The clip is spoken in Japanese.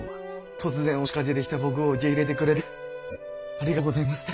突然押しかけてきた僕を受け入れてくれてありがとうございました。